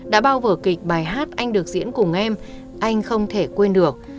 đã bao vở kịch bài hát anh được diễn cùng em anh không thể quên được